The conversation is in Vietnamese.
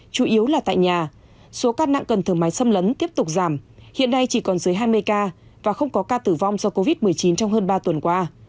chủ yếu là tại nhà số ca nặng cần thở máy xâm lấn tiếp tục giảm hiện nay chỉ còn dưới hai mươi ca và không có ca tử vong do covid một mươi chín trong hơn ba tuần qua